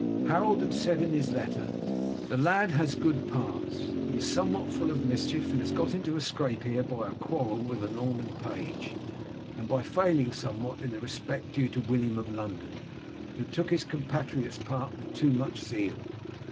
Harold had said in his letter, "The lad has good parts. He is somewhat full of mischief, and has got into a scrape here by a quarrel with a Norman page, and by failing somewhat in the respect due to William of London, who took his compatriot's part with too much zeal.